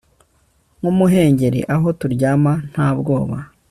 Nkumuhengeri aho turyama nta bwoba